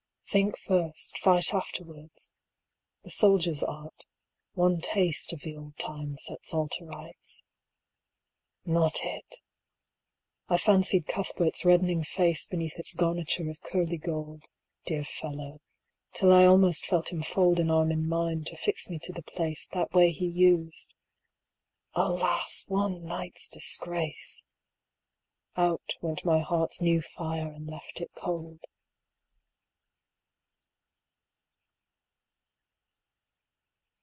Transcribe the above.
Think first, fight afterwards the soldier's art; One taste of the old time sets all to rights. 90 Not it! I fancied Cuthbert's reddening face Beneath its garniture of curly gold, Dear fellow, till I almost felt him fold An arm in mine to fix me to the place, That way he used. Alas, one night's disgrace! 95 Out went my heart's new fire and left it cold.